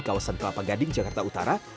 kawasan kelapa gading jakarta utara